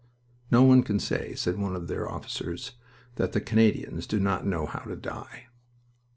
"No one can say," said one of their officers, "that the Canadians do not know how to die."